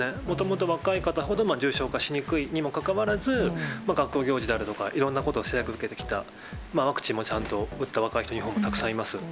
もともと若い方ほど、重症化しにくいにもかかわらず、学校行事であるとか、いろんなことを制約を受けてきた、ワクチンもちゃんと打った若い人、日本にたくさんいます。